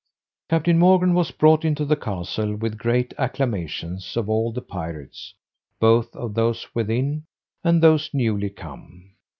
Captain Morgan was brought into the castle with great acclamations of all the pirates, both of those within, and those newly come.